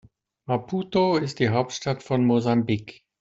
Maputo ist die Hauptstadt von Mosambik.